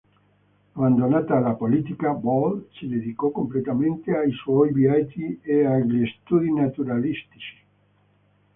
Abbandonata la politica, Ball si dedicò completamente ai suoi viaggi e agli studi naturalistici.